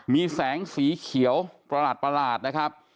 มีแสงสีเขียวประหลาดนะครับ